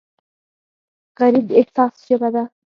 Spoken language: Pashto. غریب د احساس ژبه لري